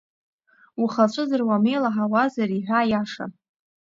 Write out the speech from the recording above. Ухы ацәыӡра уамеилаҳауазар, иҳәа аиаша…